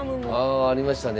ああありましたね。